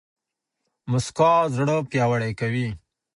موسکا زړه پياوړی کوي